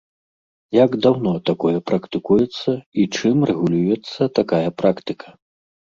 Як даўно такое практыкуецца і чым рэгулюецца такая практыка?